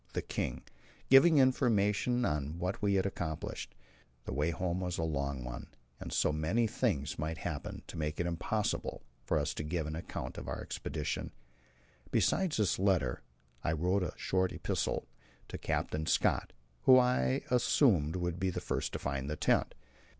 the King, giving information of what we had accomplished. The way home was a long one, and so many things might happen to make it impossible for us to give an account of our expedition. Besides this letter, I wrote a short epistle to Captain Scott, who, I assumed, would be the first to find the tent.